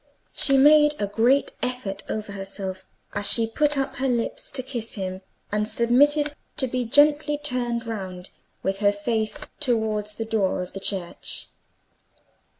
She made a great effort over herself as she put up her lips to kiss him, and submitted to be gently turned round, with her face towards the door of the church.